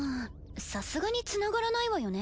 さすがにつながらないわよね。